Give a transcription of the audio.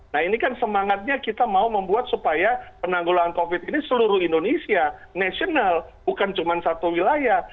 nah ini kan semangatnya kita mau membuat supaya penanggulangan covid ini seluruh indonesia nasional bukan cuma satu wilayah